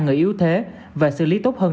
người yếu thế và xử lý tốt hơn